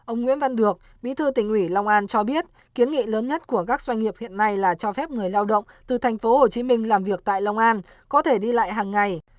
ông nguyễn văn được bí thư tỉnh ủy long an cho biết kiến nghị lớn nhất của các doanh nghiệp hiện nay là cho phép người lao động từ tp hcm làm việc tại long an có thể đi lại hàng ngày